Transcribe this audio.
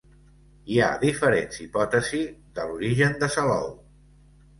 Hi ha diferents hipòtesis de l'origen de Salou.